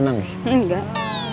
rena lebih jago daripada papa nih